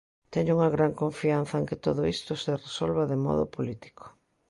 Teño unha gran confianza en que todo isto se resolva de modo político.